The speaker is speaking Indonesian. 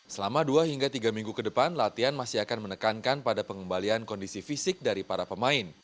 selama dua hingga tiga minggu ke depan latihan masih akan menekankan pada pengembalian kondisi fisik dari para pemain